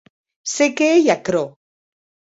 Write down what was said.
Se qué ei aquerò?